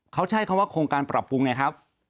เขาใช้คำว่าโครงการปรับปรุงไงครับ